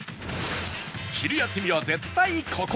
昼休みは絶対ここ！